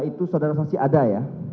itu saudara saksi ada ya